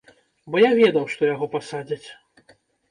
Бо я ведаў, што яго пасадзяць.